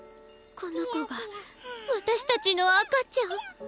この子が私たちの赤ちゃん。